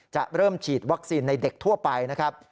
จะเริ่มฉีดวัคซีนในเด็กทั่วไปนะครับ